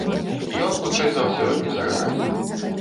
Ён, хутчэй за ўсё, не за гарамі.